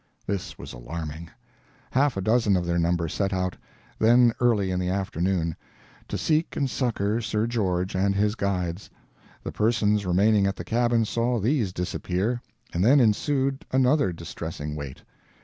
This was alarming. Half a dozen of their number set out, then early in the afternoon, to seek and succor Sir George and his guides. The persons remaining at the cabin saw these disappear, and then ensued another distressing wait.